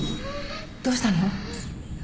どうしたの？